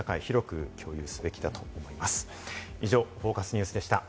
社会広く共有すべきだと思います。